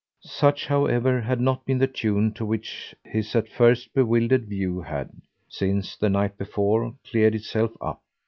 Such, however, had not been the tune to which his at first bewildered view had, since the night before, cleared itself up.